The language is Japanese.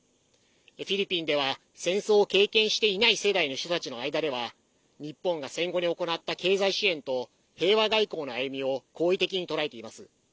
フィリピンでは戦争を経験していない世代の人たちの間では日本が戦後に行った経済支援と平和外交の歩みを好意的に捉えています。